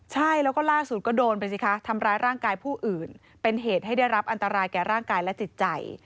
ใช่แล้วก็ล่าสุดก็โดนไปสิคะทำร้ายร่างกายผู้อื่นเป็นเหตุให้ได้รับอันตรายแก่ร่างกายและจิตใจ